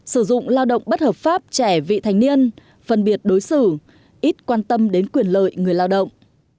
sử dụng lao động bất hợp pháp trẻ vị thành niên phân biệt đối xử ít quan tâm đến quyền lợi người lao động